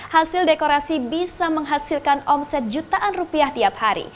hasil dekorasi bisa menghasilkan omset jutaan rupiah tiap hari